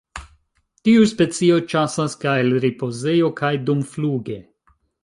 Tiu specio ĉasas kaj el ripozejo kaj dumfluge.